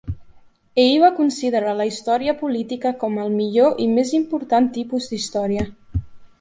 Ell va considerar la història política com al millor i més important tipus d'història.